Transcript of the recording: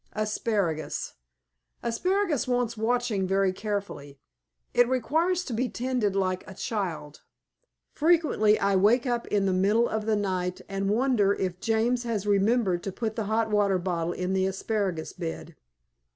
ASPARAGUS Asparagus wants watching very carefully. It requires to be tended like a child. Frequently I wake up in the middle of the night and wonder if James has remembered to put the hot water bottle in the asparagus bed.